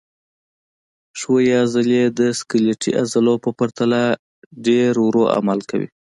ښویې عضلې د سکلیټي عضلو په پرتله ډېر ورو عمل کوي.